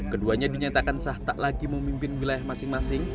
keduanya dinyatakan sah tak lagi memimpin wilayah masing masing